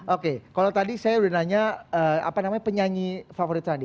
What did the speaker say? oke kalau tadi saya udah nanya apa namanya penyanyi favorit sandi